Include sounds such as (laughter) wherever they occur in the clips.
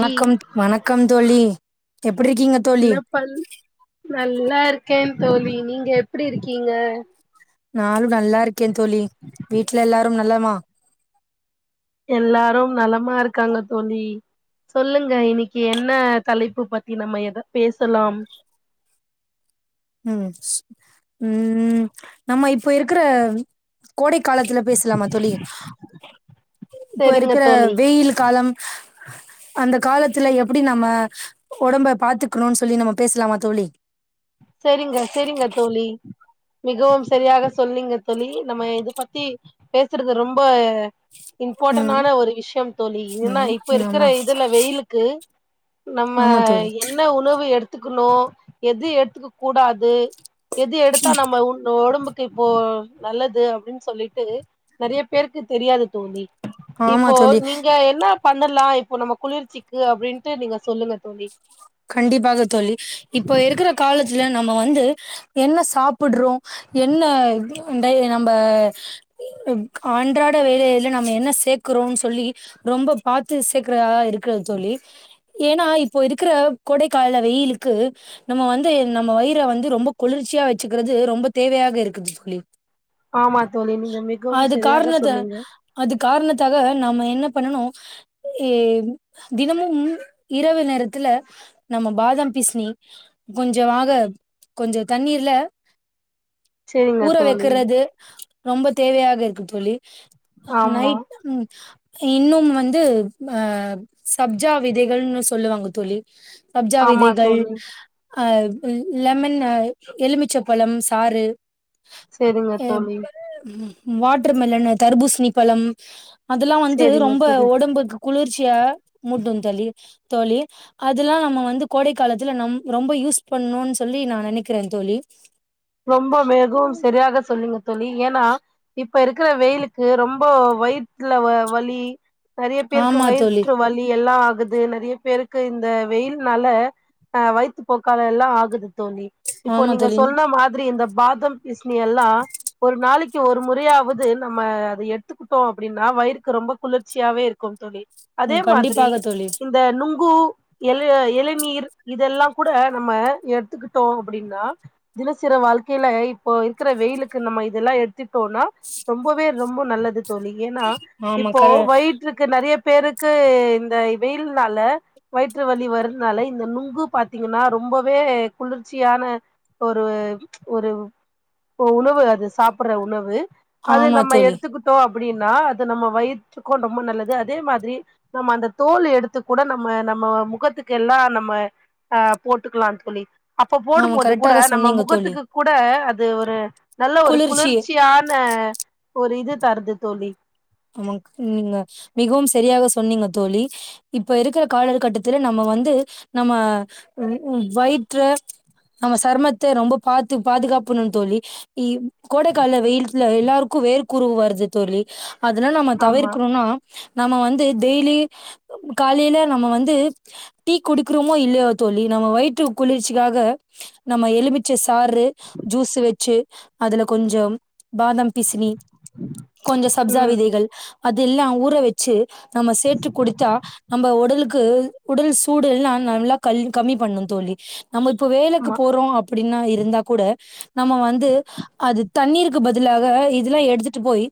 ழி வணக்கம் தோழி எப்டி இருக்கீங்க தோழி என்ன பல் நல்லா இருக்கே தோழி நீங்க எப்டி இருக்கீங்க நா நல்லா இருக்கே தோழி வீட்ல எல்லாரும் நலமா எல்லாரும் நலமா இருக்காங்க தோழி சொல்லுங்க இன்னைக்கி என்ன தலைப்பு பத்தி நம்ம எத பேசலாம் ம் சொ ம் நம்ம இப்ப இருக்கிற கோடைக் காலத்துல பேசலாமா தோழி இப்ப செரிங்க இருக்கிற தோழி வெயில் காலம் அந்த காலத்துல எப்டி நம்ம ஒடம்ப பாத்துக்குனுன் சொல்லி நம்ம பேசலாமா தோழி செரிங்க செரிங்க தோழி மிகவும் சரியாக சொன்னீங்க தோழி நம்ம இத பத்தி பேசுறது ரொம்ப ம் இம்பார்ட்டனான ஒரு விஷ்யம் தோழி ஏன்னா ம் இப்ப இருக்கற ஆமா இதுல வெயிலுக்கு நம்ம ஆமா தோழி என்ன உணவு எடுத்துக்குணு எது எடுத்துக்க கூடாது எது எடுத்தா நம்ம உன்ன ஒடம்புக் க்கு இப்போ நல்லது அப்டின் சொல்லிட்டு நறைய பேருக்கு தெரியாது தோழி ஆமா இப்போ தோழி நீங்க என்னா பண்ணலா இப்போ நம்ம குளிர்ச்சிக்கு அப்டின்ட்டு நீங்க சொல்லுங்க தோழி கண்டிப்பாக தோழி இப்போ இருக்கிற காலத்துல நாம வந்து என்ன சாப்பிட்றோ என்ன இந்த நம்ப ஆன்றாட வேலையில நம்ம என்ன சேக்குறோன் சொல்லி ரொம்ப பாத்து சேக்கற இருக்கிறது தோழி ஏன்னா இப்போ இருக்கிற கோடைக்கால வெயிலுக்கு நம்ம வந்து நம்ம வயிற வந்து ரொம்ப குளிர்ச்சியா வச்சுக்கிறது ரொம்ப தேவையாக இருக்குது தோழி ஆமா தோழி நீங்க மிகவும் அது சரியாக காரணத்த சொன்னீங்க அது காரணத்தாக நாம என்ன பண்ணனு ஏ தினமும் இரவு நேரத்துல நம்ம பாதாம் பீஸினி கொஞ்சமாக கொஞ்ச தண்ணீர்ல செரிங்க ஊற தோழி வெக்குறது ரொம்ப தேவையாக இருக்கு தோழி ஆமா நைட் ம் இன்னும் வந்து அ சப்ஜா விதைகள்னு சொல்லுவாங்க தோழி சப்ஜா ஆமா விதைகள் தோழி அ லெமன் எலுமிச்சப்பழம் சாறு செரிங்க அ தோழி வாட்ரு மெலனு தர்பூசணி பழம் அதெல்லா வந்து செரிங்க ரொம்ப தோழி உடம்புக்கு குளிர்ச்சியா மூட்டுந் தோழி தோழி அதுல்லா நம்ம வந்து கோடை காலத்துல நம் ரொம்ப யூஸ் பண்ணணுன்னு சொல்லி நா நெனைக்கிற தோழி ரொம்ப மெகவும் சரியாக சொன்னிங்க தோழி ஏன்னா இப்ப இருக்கிற வெயிலுக்கு ரொம்ப வயித்ல வலி நறைய பேருக்கு ஆமா தோழி வயிற்று வலி எல்லா ஆகுது நெறைய பேருக்கு இந்த வெயில்னால அ வயித்து போக்கால எல்லா ஆகுது தோழி இப்போ ஆமா நீங்க தோழி சொன்ன மாறி திரி இந்த பாதாம் பிசனி எல்லா ஒரு நாளைக்கு ஒரு முறையாவது நம்ம அத எடுத்துக்கிட்டோ அப்டின்னா வயிறுக்கு ரொம்ப குளிர்ச்சியாவே இருக்கும் தோழி அதே ம் மாத்ரி கண்டிப்பாக தோழி இந்த நுங்கு எழு இளநீர் இதெல்லா கூட நம்ம எடுத்துக்கிட்டோ அப்டின்னா சிற வாழ்க்கையில இப்போ இருக்கிற வெயிலுக்கு நம்ம இதெல்லா எடுத்துட்டோனா ரொம்பவே ரொம்போ நல்லது தோழி ஏன்னா ஆமா இப்போ கர வயிற்க்கு நறைய பேருக்கு இந்த வெயில்னால வயிற்று வலி வருதுனால இந்த நுங்கு பாத்திங்கன்னா ரொம்பவே குளிர்ச்சியான ஒரு ஒரு ஒரு உணவு அது சாப்பட்ற உணவு அது ஆமா நம்ம தோழி எடுத்துக் தோ அப்டின்னா அது நம்ம வயிற்றுக்கு ரொம்ப நல்லது அதே மாதிரி நம்ம அந்த தோல் எடுத்து கூட நம்ம நம்ம முகத்துக்கு எல்லா நம்ம ஆ போட்டுக்கலா தோழி அப்ப ஆமா போடும்போது கூட கரெக்டாக நம்ம சொன்னீங்க முகத் தோழி கூட அது ஒரு நல்ல ஒரு குளிர்ச்சி குளிர்ச்சியான ஒரு இது தருது தோழி ஆமா (inaudible) நீங்க மிகவும் செரியாக சொன்னீங்க தோழி இப்ப இருக்கற கால கட்டத்துல நம்ம வந்து நம்ம வ் வ் வயிற்று நம்ம சர்மத்த ரொம்ப பாத்து பாதுகாப்பணு தோழி இ கோடைக்கால வெயில்த்துல எல்லாருக்கு வேர்க்குரு வருது தோழி அதல்லா நம்ம ஆமா தவிர்க்கணுன்னா நம்ம வந்து டெய்லி காலைல நம்ம வந்து டீ குடுக்குறமோ இல்லையோ தோழி நம்ம வயிற்றுக் குளிர்ச்சிக்காக நம்ம எலுமி ச்ச சாறு ஜூஸு வெச்சு அதுல கொஞ்சம் பாதாம் பிசினி கொஞ்சம் சப்ஜா ம் விதைகள் அதெல்லா ஊற வெ ச்சு நம்ம சேற்று குடித்தா நம்ப ஒடலுக்கு உடல் சூடுல்லா நல்லா கல் கம்மி பண்ணுந் தோழி நம்ம இப்ப வேலைக்கு ஆமா போறோ அப்டின்னா இருந்தா கூட நம்ம வந்து அது தண்ணீருக்கு பதிலாக இதல்லா எடுத்துட்டு போய்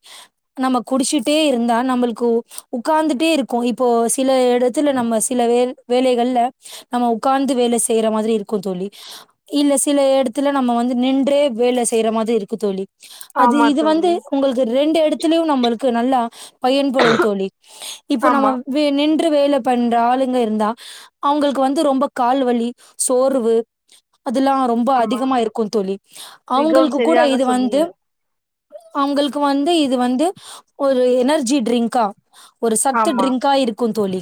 நம்ம குடிச்சிட்டே இருந்தா நம்மளுக்கு உக்காந்துட்டே இருக்கோ இப்போ சில எடத்துல நம்ம சில வேர் வேலைகள்ல நம்ம உக்காந்து வேலை செய்ற மாதிரி இருக்கு தோழி இல்ல சில எடத்துல நம்ம வந்து நின்றே வேல செய்ற மாதிரி இருக்கு தோழி அது ஆமா இது வந்து தோழி உங்களுக்கு ரெண்டு எடத்துலயு நம்பளுக்கு நல்லா பயன்படும் தோழி இப்ப நம்ம ஆமா வி நின்று வேல பண்ற ஆளுங்க இருந்தா அவங்களுக்கு வந்து ரொம்ப கால் வலி சோர்வு அதல்லா ரொம்ப ஆமா அதிகமா இருக்கு தோழி மிகவும் அவுங்களுக்கு கூட சரியாக இது வந்து சொன்னீங்க அவுங்களுக்கு வந்து இது வந்து ஒரு எனர்ஜி ட்ரிங்க்கா ஒரு சத்து ஆமா ட்ரிங்க்கா இருக்குந் தோழி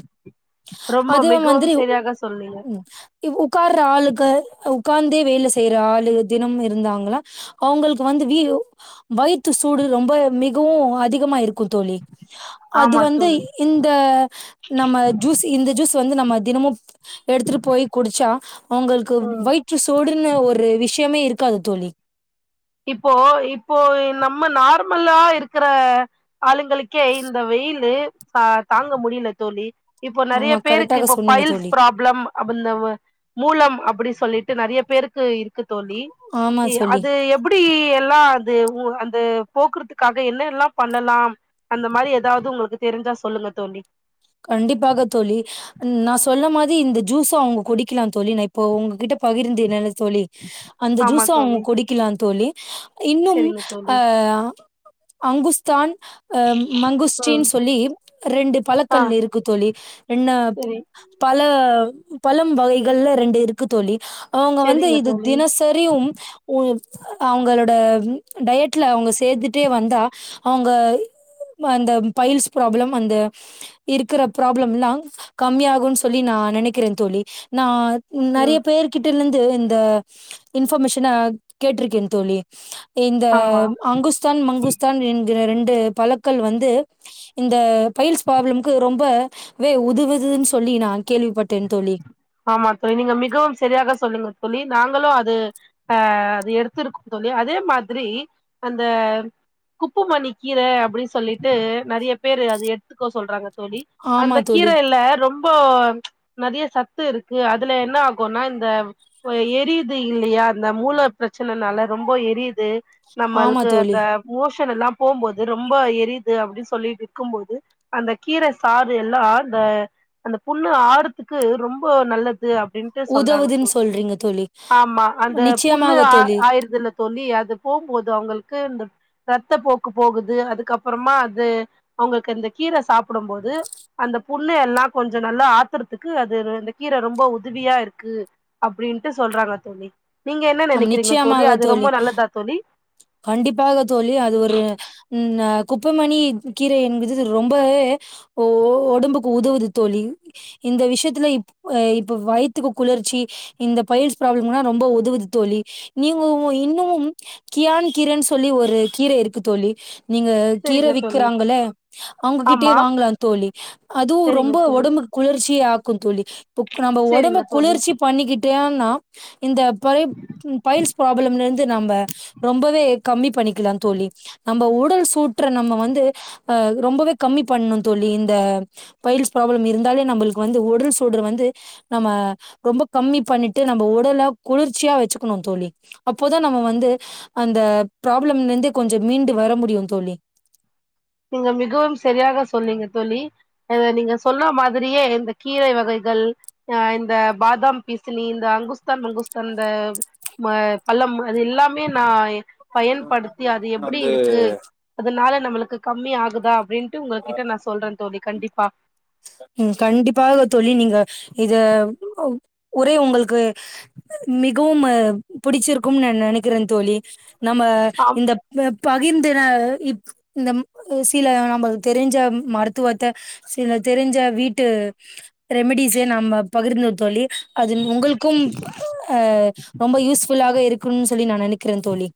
ரொம்ப அதே மிகவும் மந்திரி சரியாக சொன்னீங்க ம் இவ் உக்கார்ற ஆளுக்கு உக்காந்தே வேல செய்ற ஆளுக தினமு இருந்தாங்களா அவங்களுக்கு வந்து வி வயித்து சூடு ரொம்ப மி கவு அதிகமா இருக்கு தோழி அது ஆமா வந்து தோழி இந்த நம்ம ஜூஸ் இந்த ஜூஸ் வந்து நம்ம தினமு எடுத்துட்டு போய் குடிச்சா அவங்களுக்கு ம் வயிற்று சூடுன்னு ஒரு விஷயமே இருக்காது தோழி இப்போ இப்போ நம்ம நார்மல்லா இருக்கற ஆளுங்களுக்கே இந்த வெயிலு சா தாங்க முடில தோழி இப்ப நெறைய ஆமா பேருக்கு கரெக்டாக இப்ப சொன்னீங்க பைல்ஸ் தோழி ப்ராப் ளம் அப்ப இந்த வ மூலம் அப்படி சொல்லிட்டு நறைய பேருக்கு இருக்கு தோழி ஆமா சோழி இத எப்புடி எல்லா அது உ அந்த போக்குறதுக்காக என்ன எல்லா பண்ணலாம் அந்த மாரி எதாவது உங்களுக்கு தெரிஞ்சா சொல்லுங்க தோழி கண்டிப்பாக தோழி ன் நா சொன்ன மாரி இந்த ஜூஸ அவுங்க குடிக்கலா தோழி நா இப்போ உங்ககிட்ட பகிர்ந்தின்னல்ல தோழி அந்த ஆமா ஜூஸ அவுங்க தோழி குடிக்கலா தோழி இன்னும் சரிங்க அ தோழி அங்குஸ்தான் அ ம் மங்குஸ்டின் சொல்லி ரெண்டு பழக் ஆ க்கள் இருக்குத்தோழி என்ன சரி பழ பழம் வகைகள்ல ரெண்டு இருக்கு தோழி அவுங்க வந்து சரிங்க இது தோழி தினச் சரியும் உ அவங்களோட டயட்ல அவுங்க சேத்துட்டே வந்தா அவுங்க அந்த பைல்ஸ் ப்ராப்ளம் அந்த இருக்கிற ப்ராப்ளம்லா கம்மியாகுன் சொல்லி நா நெனைக்கிறேந் தோழி நா ம் நெறையப் பேர்கிட்டல்னந்து இந்த இன்ஃபர்மேஷனா கேட்ருக்கேன் தோழி இந்த ஆமா அங்குஸ் தான் மங்குஸ்தான் என்கிற ரெண்டு பழக்கள் வந்து இந்த பைல்ஸ் பிராப்ளம் கு ரொம்பவே உதவுதுன் சொல்லி நா கேள்விப்பட்டேன் தோழி ஆமாத் தோழி நீங்க மிகவும் செரியாக சொல்லுங்க தோழி நாங்களு அது ஆ அது எடுத்திருக்கோ தோழி அதே மாதிரி அந்த குப்புமணிக் கீர அப்புடி சொல்லிட்டு நெறையப் பேரு அது எடுத்துக்கோ சொல்றாங்க தோழி ஆமா அந்தக் தோழி கீரயில ரொம்போ நெறைய சத்து இருக்கு அதுல என்ன ஆகுன்னா இந்த (unintelligible) எரியுது இல்லியா அந்த மூலப் பிரச்சனனால ரொம்ப எரியுது ஆமா நம்மளுக்கு தோழி அந்த மோஷன் எல்லாம் போம்போது ரொம்ப எரியுது அப்டின் சொல்லிட்டு இக்கும்போது அந்த கீர சாறு எல்லா அந்த அந்தப் புண்ணு ஆறுத் துக்கு ரொம்ப நல்லது அப்டின் ட்டு சொல்றாங்க உதவுதுன்னு தோழி சொல்றீங்க தோழி ஆமா அந்த புண்ணு நிச்சயமாக ஆ தோழி ஆயிருதுல்லத் தோழி அதுப் போம்போது அவுங்கள்க்கு இந்தப் ரத்த போக்கு போகுது அதுக்கப்புறமா அது அவுங்கள்க்கு இந்தக் கீர சாப்புடும்போது அந்தப் புண்ணு எல்லாக் கொஞ்சோ நல்லா ஆத்தருத் துக்கு அதுரு இந்தக் கீர ரொம்போ உதவியா இருக்கு அப்டின்ட்டு சொல்றாங்கத் தோழி நீங்க என்ன ஆம் நெனைக்கிறீங்கத் தோழி நிச்சயமாக அது ரொம்ப நல்லதாத் தோழி கண்டிப்பாக தோழி அது ஒரு இன்ன குப்பமேணி கீரை என்பது ரொம்பவே ஓ ஓ ஒடம்புக்கு உதவுது தோழி இந்த விஷ்யத்துல இப் அ இப்ப வயித்துக்கு குளர்ச்சி இந்த பயில்ஸ் ப்ராப்ளம்னா ரொம்ப உதவுது தோழி நீங்கோவ் இன்னமும் கியான் கீரன் சொல்லி ஒரு கீர இருக்கு தோழி நீங்க கீர செரிங்க தோழி வி்க்கிறாங்கள அவுங்ககிட்டியே ஆமா வாங்கலாந் தோழி அதுவு செரிங்க ரொம்ப தோழி ஒடம்புக்கு குளிர்ச்சியாக்குந் தோழி இப்போக் நம்ம ஒடம்ப செரிங்க தோழி குளிர்ச்சி பண்ணிகிட்டேன்னா இந்த பறையப் ம் பயில்ஸ் ப்ராப்ளம்லருந்து நம்ம ஏக் கம்மி பண்ணிக்கிலாந் தோழி நம்ப உடல் சூற்ற நம்ம வந்து அ ரொம்பவேக் கம்மி பண்ணுந் தோழி இந்த பயில்ஸ் ப்ராப்ளம் இருந்தாலே நம்பளுக்கு வந்து உடல் சூடுற வந்து நம்ம ரொம்பக் கம்மி பண்ணிட்டு நம்ப உடலக் குளிர்ச்சியா வெச்சுகுணுந் தோழி அப்போதா நம்ம வந்து அந்த ப்ராப்ளம்னந்து கொஞ்சம் மீண்டு வர முடியுந் தோழி நீங்க மிகவும் சரியாக சொன்னிங்க தோழி அத நீங்க சொல்னா மாதிரியே இந்தக் கீரை வகைகள் அ இந்த பாதாம் பீசினி இந்த அங்குஸ்தான் மங்குஸ்தான் இந்த ம் பழ்ழம் அது எல்லாமே நா பயன்படுத்தி அது எப்டி இருக்கு அதுனால நம்மளுக்கு கம்மி ஆகுதா அப்டின்ட்டு உங்க கிட்ட நா சொல்றேந் தோழி கண்டிப்பா ம் கண்டிப்பாக தோழி நீங்க இத உரை உங்கள்க்கு மிகவும் புடிச்சிருக்கும்னு நா நெனைக்கிறே தோழி நம்ம ஆமா இந்த ப பகிர்ந்தின இப் இந்த சில நம்மள் தெரிஞ்ச மருத்துவத்த சில தெரிஞ்ச வீட்டு ரெமடிஸே நம்ம பகிர்ந்தோ தோழி அது உங்களுக்கு ஆ ரொம்ப யூஸ்ஃபுல்லாக இருக்கும்னு தோழி நா நெனைக்கிறே தோழி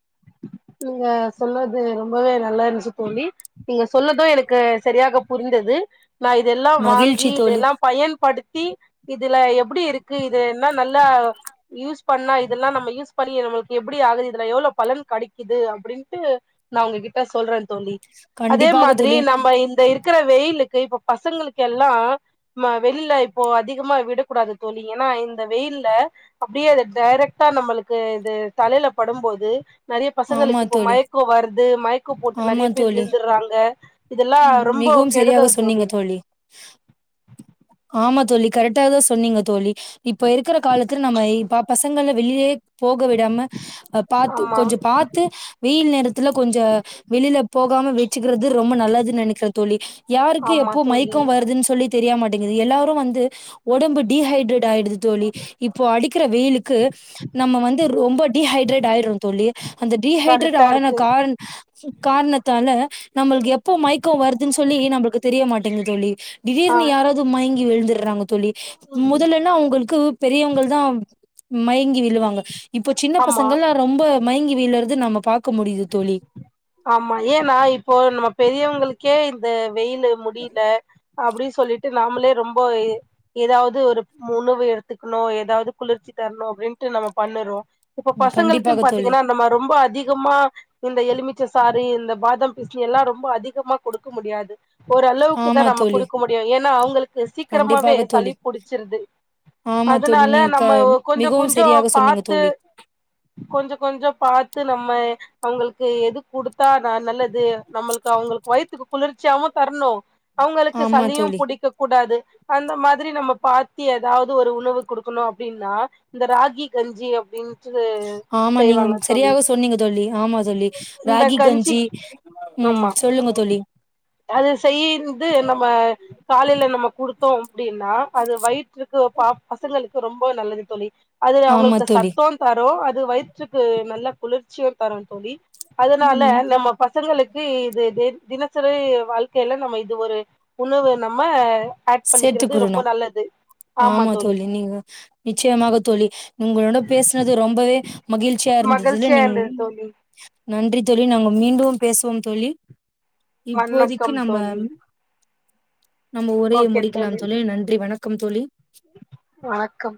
நீங்க சொல்லுங்க ரொம்பவே நல்லா இருந்துச்சு தோழி நீங்க சொன்னது எனக்கு செரியாக புரிந்தது நா இதெல்லா வாங்கி மகிழ்ச்சி தோழி. இதெல்லா பயன்படுத்தி இதுல எப்டி இருக்கு இது என்ன நல்லா யூஸ் பண்ணா இதெல்லாம நம்ம யூஸ் பண்ணி நமக்கு எப்டி ஆகுது இதுல எவ்ளோ பலன் கடி க்கிது அப்டின்ட்டு நா உங்ககிட்ட சொல்றே தோழி அதே கண்டிப்பாக மாதிரி தோழி. நம்ம இந்த இரு க்குற வெயிலுக்கு இப்ப பசங்களுக்கு எல்லா ம்ம வெளில இப்போ அதிகமா விட கூடாது தோழி ஏன்னா இந்த வெயில்ல அப்டியே அத டைரக்ட்டா நம்மளுக்கு இது தலையில படும்போது நெறைய ஆமா பசங்களுக்கு இப்போ தோழி. மயக்கொ வருது மய க்கு போட்டு ஆமா நெறைய பேர் தோழி. விழுந்துடுறாங்க இதெல்லா ரொம்பொ மிகவும் சரியாக கெடுதல் தோழி சொன்னீங்க ஆமா தோழி கரெக்டா தா சொன்னீங்க தோழி இப்ப இருக்குற காலத்துல நம்ம இப்ப பசங்கல வெளிலேயே போக விடாம அ பாத்து ஆமா கொஞ்ச பாத்து வெயில் நேரத்துல கொஞ்ச வெளில போகாம வெச்சுக்குறது ரொம்ப நல்லதுன் நெனைக்கிற தோழி யாருக்கு ஆமா எப்போ தோழி மயக்க வருதுன் சொல்லி தெரியா மாட்டேங்குது எல்லாரு வந்து ஒடம்பு டீஹைட்ரேட் ஆயிடுது தோழி இப்போ அடிக்கிற வெயிலுக்கு நம்ம வந்து ரொம்ப டிஹைட்ரேட் ஆயிடுரோ தோழி அந்த டீஹைட்ரேட் கரெக்டா ஆன இருக்கு காரண் காரணத்தால நம்மளுக்கு எப்போ மயக்கொ வருதுன் சொல்லி நம்மளுக்கு தெரியமாட்டேங்குது தோழி ஆ திடீர்னு யாராவது மயங்கி விழுந்துடுறாங்க தோழி முதல்லன்னா அவுங்களுக்கு பெரியவங்கள் தா மயங்கி விழுவாங்க இப்போ சின்ன ஆமா பசங்கள்லா ரொம்ப மயங்கி விழறது நம்ம பாக்க முடியுது தோழி ஆமா ஏன்னா இப்போ நம்ம பெரியவங்களுக்கே இந்த வெயிலு முடில அப்டி சொல்லிட்டு நாமளே ரொம்ப இ எதாவது ஒரு உணவு எடுத்துக்ணு எதாவது குளிர்ச்சி தர்ணு அப்டின்ட்டு நம்ம பண்ணுறோ இப்போ ம் கண்டிப்பாக பசங்களுக்குன் தோழி பாத்தீங்கன்னா நம்மா ரொம்ப அதிகமா இந்த எலுமிச்ச சாறு இந்த பாதாம் பீஸ்னி எல்லா ரொம்ப அதிகமா கொடுக்க முடியாது ஓர் அளவுக்கு தா ஆமா நம்ம தோழி குடுக்க முடியு ஏன்னா அவங்களுக்கு சீக்கிரமாவே கண்டிப்பாக தோழி சளி புடிச்சிருது ஆமா தோழி அதனால நீங்க க நம்ம ஓ கொஞ்சொ மிகவும் கொஞ்சொ சரியாக சொன்னீங்க பாத்து தோழி கொஞ்சொ கொஞ்சொ பாத்து நம்ம அவங்களுக்கு எது குடுத்தா நா நல்லது நம்மளுக்கு அவங்களுக்கு வயத்துக்கு குளிர்ச்சியாவு தர்ணு அவங்களுக்கு ஆமா சளியு தோழி புடிக்கக் கூடாது அந்த மாதிரி நம்ம பாத்து ஏதாவது ஒரு உணவு குடுக்கணு அப்டின்னா இந்த ராகி கஞ்சி அப்டின் ஆமா நீங்க சரியாக சொன்னீங்க தோழி ஆமா தோழி ராகி கஞ்சி ம் ஆமா சொல்லுங்க தோழி அது செய்யுந்து நம்ம காலையில நம்ம குடுத்தோ அப்டின்னா அது வயி ற்றுக்கு பா பசங்களுக்கு ரொம்ப நல்லது தோழி அதுல ஆமா அவங்களுக்கு தோழி சத்தோ தரு அது வயிற்றுக்கு நல்லா குளிர்ச்சியு தரு தோழி அதனால ம் நம்ம பசங்களுக் இ இது இது தினசரி வாழ்க்கையில நம்ம இது ஒரு உணவு நம்ம ஆட் பண்ணிக்கிறது ரொம்ப சேத்துக்கிடணு நல்லது ஆமா தோழி நீங்க நிச்சயமாக தோழி உங்களோட பேசுனது ரொம்பவே மகிழ்ச்சியா இருந்ததுல மகிழ்ச்சியா நீங் இருந்தது தோழி நன்றி தோழி நாங்க மீண்டுவு பேசுவோ தோழி இப்போதைக்கி வணக்கம் நம்ம தோழி நம்ம ஒரைய முடிக்கலா தோழி நன்றி வணக்கம் தோழி வணக்கம்